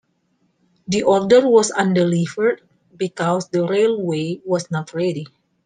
The order was undelivered because the railway was not ready.